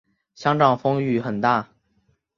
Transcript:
香港风雨很大